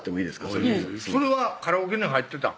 いいよそれはカラオケに入ってたん？